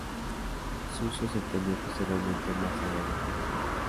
Su uso se extendió posteriormente más allá de Houston.